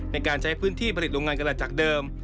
ในการใช้พื้นที่ผลิตโรงงานกระดาษจากเดิม